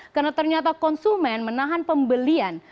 karena ternyata konsumen menahan pembelian